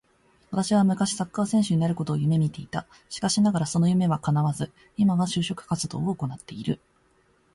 私は昔サッカー選手になることを夢見ていた。しかしながらその夢は叶わず、今は就職活動を行ってる。